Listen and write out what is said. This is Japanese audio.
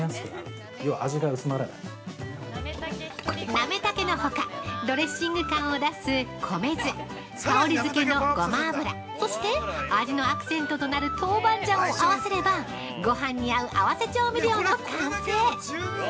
◆なめたけのほかドレッシング感を出す米酢香りづけのごま油そして、味のアクセントとなる豆板醤を合わせればごはんにあう合わせ調味料の完成。